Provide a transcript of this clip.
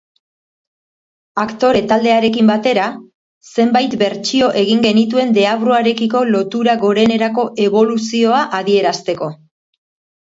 Aktore taldearekin batera, zenbait bertsio egin genituen deabruarekiko lotura gorenerako eboluzioa adierazteko.